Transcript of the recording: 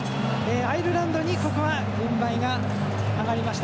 アイルランドにここは軍配が上がりました。